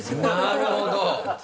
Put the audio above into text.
なるほど！